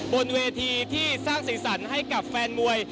บนเวทีที่สร้างสีสันให้กับแฟนมวย